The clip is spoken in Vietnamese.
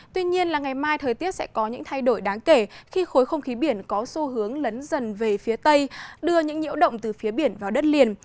tuy nhiên là ngày mai thời tiết sẽ có những thay đổi đáng kể khi khối không khí biển có xu hướng lấn dần về phía tây đưa những nhiễu động từ phía biển vào đất liền